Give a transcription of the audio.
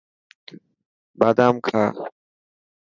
بادام کا.